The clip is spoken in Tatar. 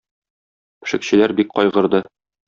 Пешекчеләр бик кайгырды.